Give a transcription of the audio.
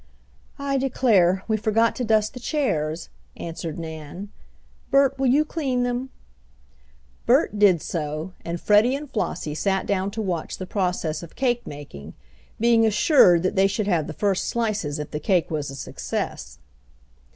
"I declare, we forgot to dust the chairs," answered Nan. "Bert, will you clean them?" Bert did so, and Freddie and Flossie sat down to watch the process of cake making, being assured that they should have the first slices if the cake was a success.